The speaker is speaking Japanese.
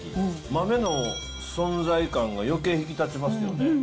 豆の存在感がよけい引き立ちますよね。